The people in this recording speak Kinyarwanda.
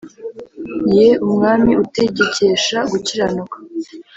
Ye umwami utegekesha gukiranuka